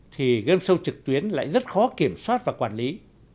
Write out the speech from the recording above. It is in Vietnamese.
thì game show trực tuyến lại rất khó kiểm soát và quản lý